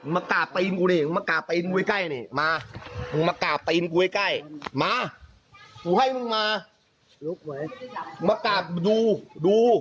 มึงมากราบดูดู